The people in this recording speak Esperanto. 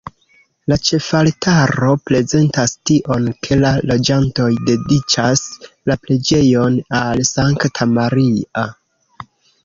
La ĉefaltaro prezentas tion, ke la loĝantoj dediĉas la preĝejon al Sankta Maria.